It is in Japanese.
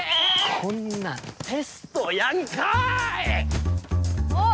こんなんテストやんかい！